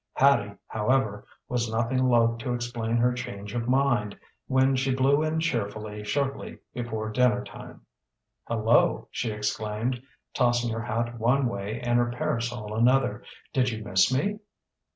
Hattie, however, was nothing loath to explain her change of mind when she blew in cheerfully shortly before dinner time. "Hello!" she exclaimed, tossing her hat one way and her parasol another. "Did you miss me?"